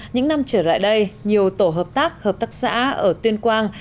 những năm trở lại đây nhiều tổ hợp tác hợp tác xã ở tuyên quang